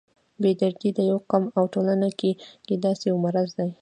بې دردي په یو قوم او ټولنه کې داسې یو مرض دی.